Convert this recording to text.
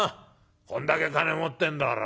こんだけ金持ってんだから。